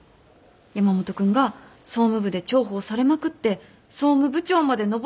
山本君が総務部で重宝されまくって総務部長まで上り詰める姿が。